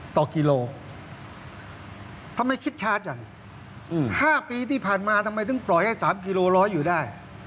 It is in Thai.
ต่อกิโลทำไมคิดช้าจังอืมห้าปีที่ผ่านมาทำไมต้องปล่อยให้สามกิโลร้อยอยู่ได้